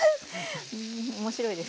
面白いですはい。